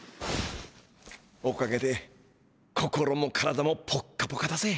おかげで心も体もポッカポカだぜ。